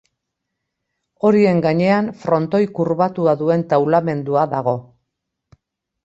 Horien gainean frontoi kurbatua duen taulamendua dago.